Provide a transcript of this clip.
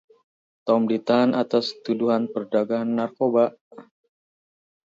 Tom ditahan atas tuduhan perdagangan narkoba.